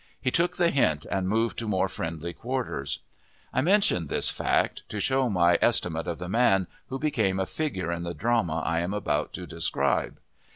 He took the hint and moved to more friendly quarters. I mention this fact, to show my estimate of the man, who became a figure in the drama I am about to describe.